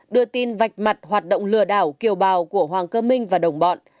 đưa tin vạch mặt hoạt động lừa đảo kiều bào của hoàng cơ minh và đồng bọn